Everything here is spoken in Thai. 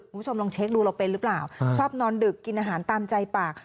คุณผู้ชมลองเช็คดูเราเป็นหรือเปล่าชอบนอนดึกกินอาหารตามใจปาก